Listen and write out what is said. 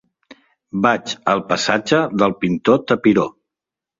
Vaig al passatge del Pintor Tapiró.